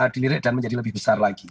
dilirik dan menjadi lebih besar lagi